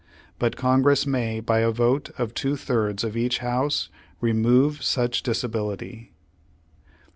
But Congress may, by vote of two thirds of each House, remove such disability.